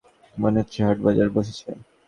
মনে হচ্ছে হাটবাজার বসেছে।